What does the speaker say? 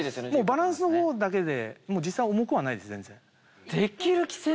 バランスだけで、実際、重くはないです、全然。